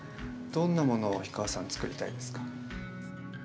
どんなものを氷川さんつくりたいですか？